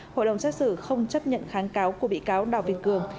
hội đồng xét xử không chấp nhận kháng cáo của bị cáo đào việt cường